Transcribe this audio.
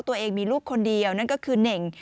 ตัวเองมีลูกคนเดียวนั่นก็คือเน่ง